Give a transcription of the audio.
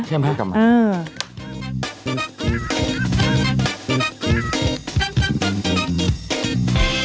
เชื่อมให้กับมัน